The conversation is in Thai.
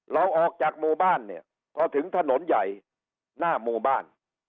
เราออกจากโมบ้านเนี่ยก็ถึงถนนใหญ่หน้าโมบ้าน